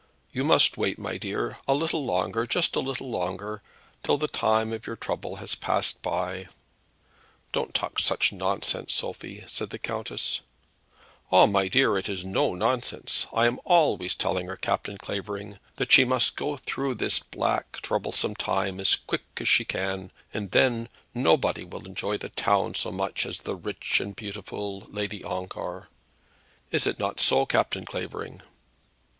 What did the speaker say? "You must wait, my dear, a little longer, just a little longer, till the time of your trouble has passed by." "Don't talk such nonsense, Sophie," said the countess. "Ah, my dear, it is no nonsense. I am always telling her, Captain Clavering, that she must go through this black, troublesome time as quick as she can; and then nobody will enjoy the town so much as de rich and beautiful Lady Ongar. Is it not so, Captain Clavering?"